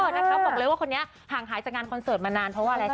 นะคะบอกเลยว่าคนนี้ห่างหายจากงานคอนเสิร์ตมานานเพราะว่าอะไร